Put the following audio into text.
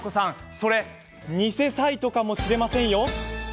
それ偽サイトかもしれません。